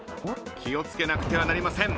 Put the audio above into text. ［気を付けなくてはなりません。